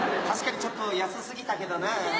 確かにちょっと安すぎたけどな。